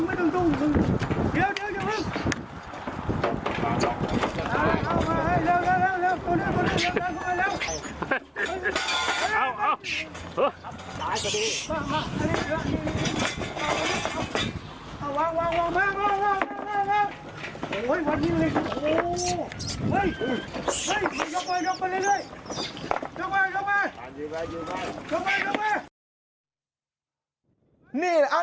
ไปเร็วไปเร็ว